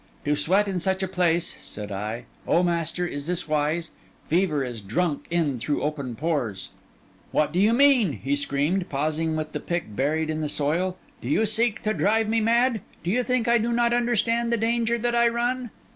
'To sweat in such a place,' said I. 'O master, is this wise? Fever is drunk in through open pores.' 'What do you mean?' he screamed, pausing with the pick buried in the soil. 'Do you seek to drive me mad? Do you think I do not understand the danger that I run?